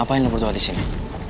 apa yang lu berdoa disini